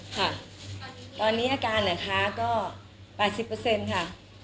ค่ะตอนนี้อาการนะคะก็๘๐ค่ะ